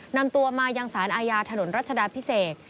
นำตัวมายังสารอาญาถนนรัชดาพิเศษ